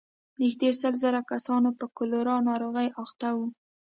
نږدې سل زره کسان پر کولرا ناروغۍ اخته وو.